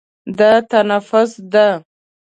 دا تنفس ده.